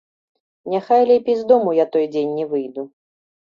Няхай лепей з дому я той дзень не выйду.